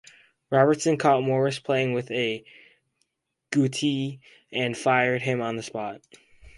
Robertson caught Morris playing with a guttie, and fired him on the spot.